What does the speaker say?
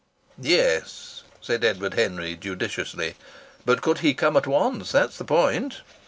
"Yes," said Edward Henry, judiciously. "But could he come at once? That's the point."